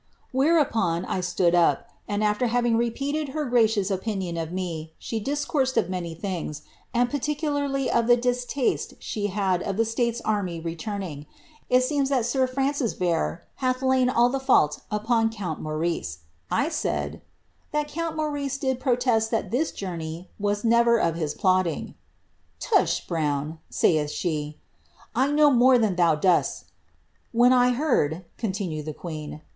Where upon, I siood up, and after having repealed her gracious opinion of me, she dieeourted of many things, and pariicutarly of the distaste she lad of ihc States army returning. It seems that sir Francis Vere hath lain iH \ llie fault upon count Maurice. 1 said, ' that count Maurice did prolM' thai this journey was never of hia plotting.' <■'•' Tush, Brown !' saiih she, ' 1 know more than thou dosL Whet t J rd,' continued the queen.